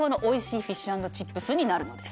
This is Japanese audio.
フィッシュ＆チップスになるのです。